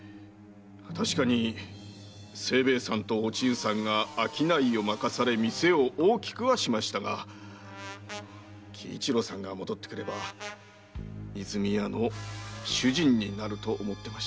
確かに清兵衛さんとお千津さんが商いを任され店を大きくはしましたが喜一郎さんが戻ってくれば和泉屋の主人になると思ってました。